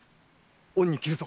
恩に着るぞ。